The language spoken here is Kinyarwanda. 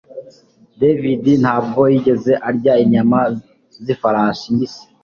David ntabwo yigeze arya inyama zifarashi mbisi